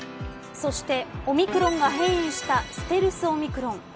そして、オミクロンが変異したステルスオミクロン。